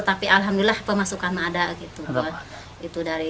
tapi alhamdulillah pemasukan mereka ada